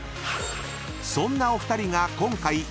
［そんなお二人が］